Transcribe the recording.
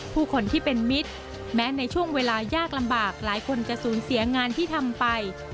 ผู้คนที่เป็นมิตรแม้ในช่วงเวลายากลำบากหลายคนจะสูญเสียงานที่ทำไป